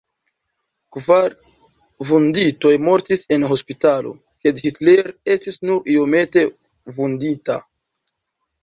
Kvar vunditoj mortis en hospitalo, sed Hitler estis nur iomete vundita.